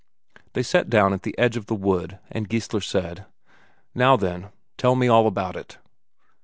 They sat down at the edge of the wood, and Geissler said: "Now, then, tell me all about it."